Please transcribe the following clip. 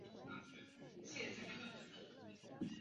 泰根湖畔格蒙特是德国巴伐利亚州的一个市镇。